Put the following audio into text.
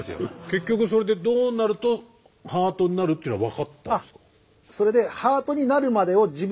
結局それでどうなるとハートになるっていうのは分かったんですか？